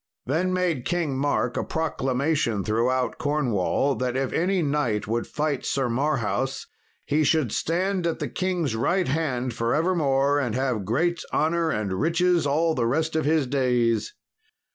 Then made King Mark a proclamation throughout Cornwall, that if any knight would fight Sir Marhaus he should stand at the king's right hand for evermore, and have great honour and riches all the rest of his days.